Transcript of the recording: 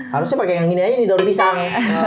harusnya pakai yang gini aja nih daun pisang